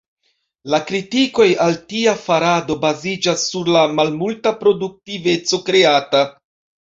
La kritikoj al tia farado baziĝas sur la malmulta produktiveco kreata.